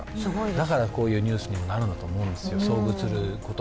だから、こういうニュースになるんだと思うんです。